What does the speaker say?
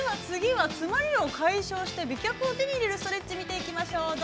次は詰まりを解消して美脚を手に入れるストレッチ見ていきましょう。